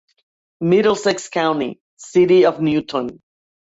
Middlesex County: City of Newton.